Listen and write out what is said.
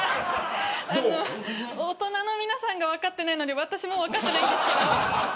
大人の皆さんが分かっていないので私も分かってないんですけど。